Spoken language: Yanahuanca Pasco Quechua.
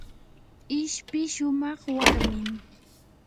ishpi shumaq warmim.